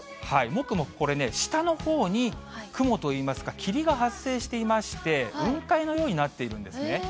もくもく、これね、下のほうに雲といいますか、霧が発生していまして、雲海のようになっているんですね。